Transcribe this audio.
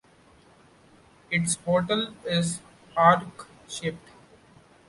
Its bottle is arch-shaped.